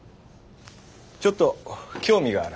ちょっと興味がある。